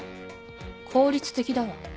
効率的だわ。